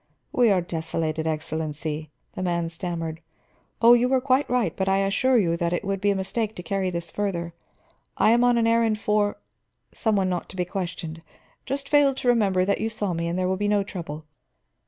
"We are desolated, Excellency," the man stammered. "Oh, you were quite right, but I assure you that it would be a mistake to carry this further. I am on an errand for some one not to be questioned. Just fail to remember that you saw me, and there will be no trouble."